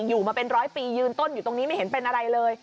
อยู่มาเป็นร้อยปียืนต้นอยู่ตรงนี้ไม่เห็นเป็นอะไรเลย